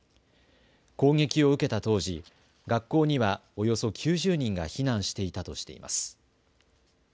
攻撃を受けた当時学校にはおよそ９０人が避難していたとしています。